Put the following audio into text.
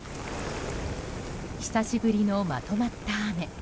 久しぶりのまとまった雨。